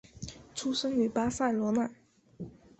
出生于巴塞罗那。